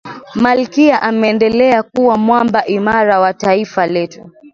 malkia ameendelea kuwa mwamba imara wa taifa letu